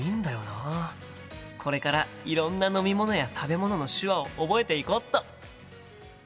これからいろんな飲み物や食べ物の手話を覚えていこっと！